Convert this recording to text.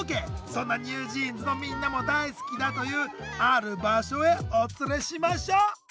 そんなＮｅｗＪｅａｎｓのみんなも大好きだというある場所へお連れしましょう！